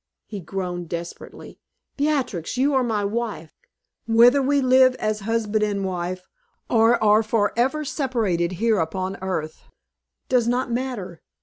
he groaned, desperately. "Beatrix, you are my wife; whether we live as husband and wife, or are forever separated here upon earth, does not matter.